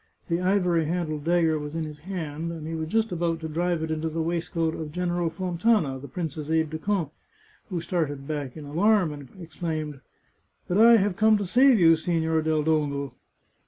The ivory handled dagger was in his hand, and he was just about to drive it into the waistcoat of Gen eral Fontana, the prince's aide de camp, who started back in alarm, and exclaimed, " But I have come to save you, Signor del Dongo